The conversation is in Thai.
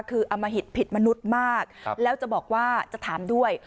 คืออมหิตผิดมนุษย์มากแล้วจะบอกว่าจะถามด้วย